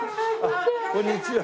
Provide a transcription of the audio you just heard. こんにちは。